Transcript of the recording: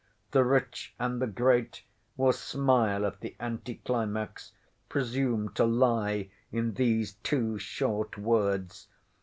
The rich and the great will smile at the anticlimax, presumed to lie in these two short words.